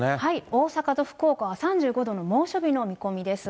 大阪と福岡は３５度の猛暑日の見込みです。